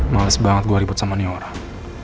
males banget gue ribut sama nih orang